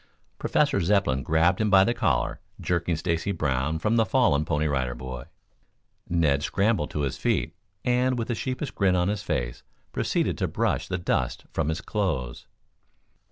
Professor Zepplin grabbed him by the collar, jerking Stacy Brown from the fallen Pony Rider Boy. Ned scrambled to his feet, and, with a sheepish grin on his face, proceeded to brush the dust from his clothes.